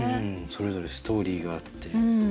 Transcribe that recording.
それぞれストーリーがあって。